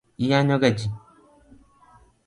Iyanyoga ji